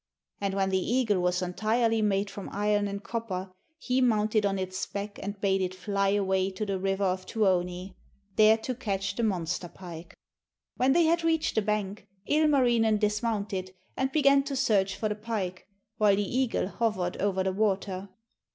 And when the eagle was entirely made from iron and copper, he mounted on its back and bade it fly away to the river of Tuoni, there to catch the monster pike. When they had reached the bank, Ilmarinen dismounted and began to search for the pike, while the eagle hovered over the water.